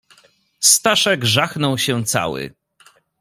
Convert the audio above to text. "Staszek żachnął się cały."